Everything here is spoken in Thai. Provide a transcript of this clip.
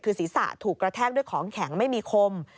คือศีรษะถูกกระแทกด้วยของแข็งไม่มีคม